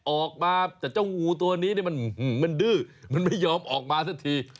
ออกมาแต่เจ้างูตัวนี้มันดื้อมันไม่ยอมออกมาสักที